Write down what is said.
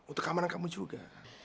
untuk keamanan kamu juga